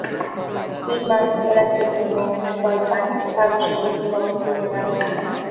The Steedmans elected to remain at Clydebank, establishing a new club at senior level.